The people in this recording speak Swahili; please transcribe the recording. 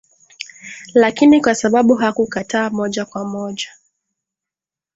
Lakini kwa sababu hakukataa moja kwa moja